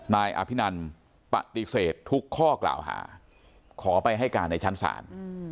นายอภินันปฏิเสธทุกข้อกล่าวหาขอไปให้การในชั้นศาล